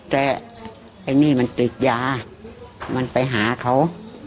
แต่ไอ้นี่มันติดยามันไปหาเขา